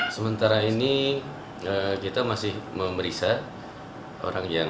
sementara ini kita masih memeriksa orang yang